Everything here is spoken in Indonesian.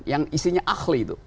yang isinya akhli itu